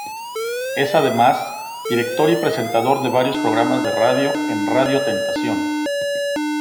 Es además director y presentador de varios programas de radio en Radio Tentación.